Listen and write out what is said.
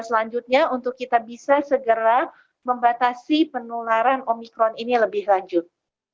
selanjutnya untuk kita bisa segera membatasi penularan omikron ini lebih lanjut